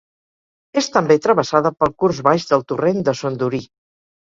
És també travessada pel curs baix del Torrent de Son Durí.